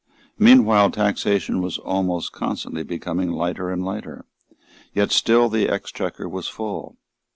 Meanwhile taxation was almost constantly becoming lighter and lighter; yet still the Exchequer was full.